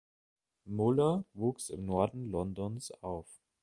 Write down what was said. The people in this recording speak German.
Muller wuchs im Norden Londons auf.